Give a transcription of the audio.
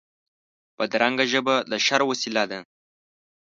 بدرنګه ژبه د شر وسیله ده